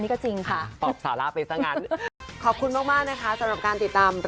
เกี่ยวไหม